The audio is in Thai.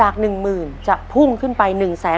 ดูซิ